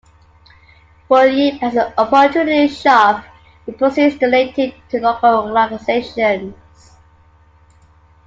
Bunyip has an "opportunity shop", with proceeds donated to local organisations.